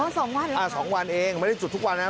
อ๋อสองวันแล้วครับอ่าสองวันเองไม่ได้จุดทุกวันนะครับ